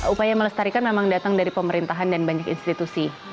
upaya melestarikan memang datang dari pemerintahan dan banyak institusi